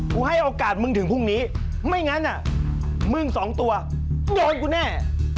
ให้โอกาสมึงถึงพรุ่งนี้ไม่งั้นมึงสองตัวมึงโดนกูแน่